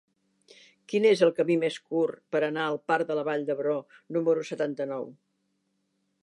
Quin és el camí més curt per anar al parc de la Vall d'Hebron número setanta-nou?